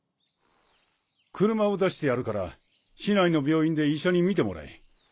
車を出してやるから市内の病院で医者に診てもらえ。